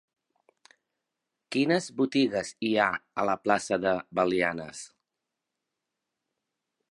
Quines botigues hi ha a la plaça de Belianes?